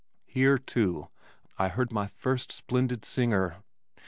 Here, too, I heard my first splendid singer.